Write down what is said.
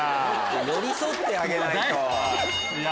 寄り添ってあげないと！